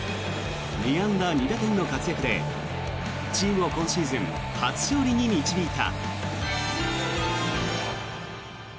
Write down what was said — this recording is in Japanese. ２安打２打点の活躍で、チームを今シーズン初勝利に導いた。